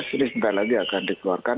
ini sebentar lagi akan dikeluarkan